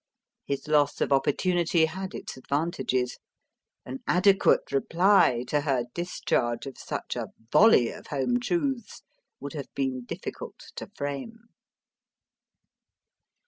His loss of opportunity had its advantages. An adequate reply to her discharge of such a volley of home truths would have been difficult to frame.